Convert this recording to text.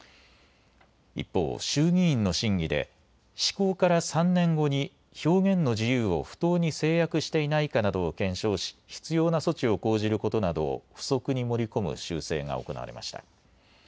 一方、衆議院の審議で施行から３年後に表現の自由を不当に制約していないかなどを検証し必要な措置を講じることなどを付則に盛り込む修正が行われました。